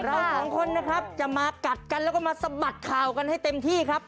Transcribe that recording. เราสองคนนะครับจะมากัดกันแล้วก็มาสะบัดข่าวกันให้เต็มที่ครับ